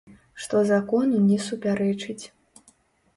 Што закону не супярэчыць.